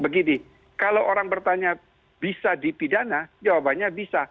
begini kalau orang bertanya bisa dipidana jawabannya bisa